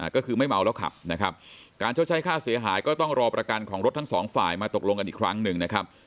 ก็คือไม่เมาแล้วขับนะครับการชดใช้ค่าเสียหายก็ต้องรอประกันของรถทั้งสองฝ่ายมาตกลงกันอีกครั้งหนึ่งนะครับ